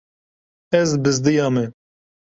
Ez bizdiyame.